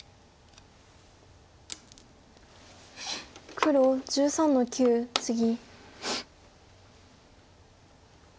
黒１３の九ツギ。